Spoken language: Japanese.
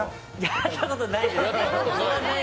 やったことないです。